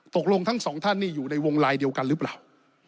ตกลงทั้งสองท่านนี่อยู่ในวงลายเดียวกันหรือเปล่า